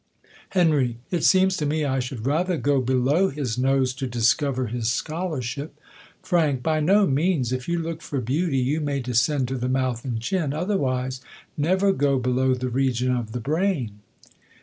Htn, It seems to me I should rather go below his nose to discover his scholarship. Fr, By no means : if you look for beauty, you may descend to the mouth and chin ; otherwise never go below the region of the brain.